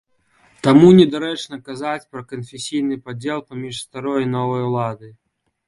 Таму недарэчна казаць пра канфесійны падзел паміж старой і новай уладай.